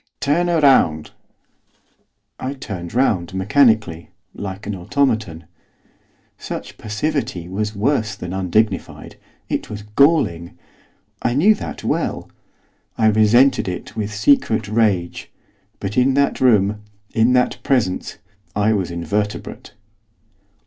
'Turn round!' I turned round, mechanically, like an automaton. Such passivity was worse than undignified, it was galling; I knew that well. I resented it with secret rage. But in that room, in that presence, I was invertebrate.